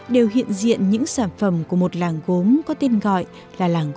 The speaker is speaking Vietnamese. đều hiện diện những sản phẩm của một làng gốm có tên gọi là làng gố